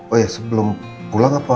oh ya sebelum pulang apa